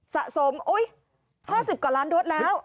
สะสม๕๐กว่าล้านโดสแล้ว